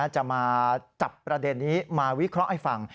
จะมาจับประเด็นนี้มาวิเคราะห์ให้ฟัง